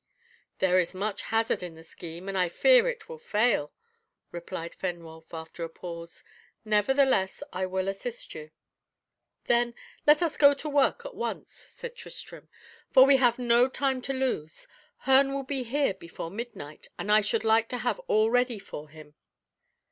"There is much hazard in the scheme, and I fear it will fail," replied Fenwolf, after a pause, "nevertheless, I will assist you." "Then, let us go to work at once," said Tristram, "for we have no time to lose. Herne will be here before midnight, and I should like to have all ready for him."